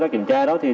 so thế failed để hiểu